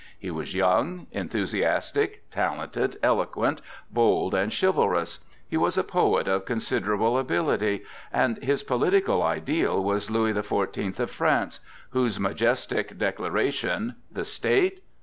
He was young, enthusiastic, talented, eloquent, bold and chivalrous; he was a poet of considerable ability, and his political ideal was Louis the Fourteenth of France, whose majestic declaration: "The state?